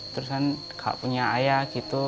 terus kan gak punya ayah gitu